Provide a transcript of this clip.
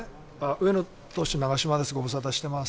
上野投手長嶋です、ご無沙汰してます。